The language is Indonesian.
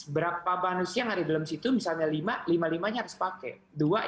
berapa manusia yang ada di dalam situ misalnya lima lima nya harus pakai